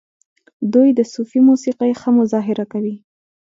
دوی د صوفي موسیقۍ ښه مظاهره کوي.